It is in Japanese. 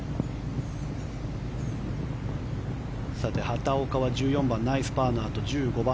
畑岡は１４番ナイスパーのあと１５番。